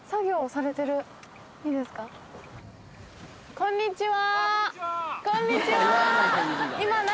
こんにちは！